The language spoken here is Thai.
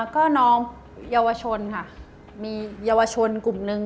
ก็น้องเยาวชนค่ะมีเยาวชนกลุ่มหนึ่ง